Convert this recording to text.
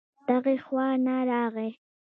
دغې خوا نه راغی